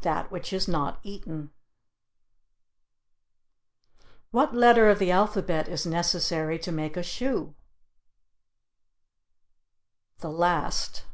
That which is not eaten. What letter of the alphabet is necessary to make a shoe? The last.